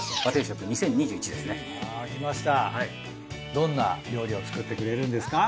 どんな料理を作ってくれるんですか？